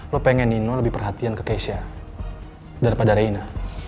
lo pengen nino lebih perhatian ke keisha daripada reina